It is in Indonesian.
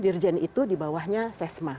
dirjen itu di bawahnya sesma